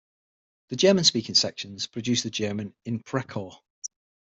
The German-speaking sections produce the German "Inprekorr".